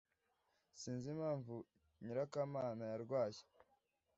Sinzi impamvu nyirakamana yarwaye. (AlanF_US)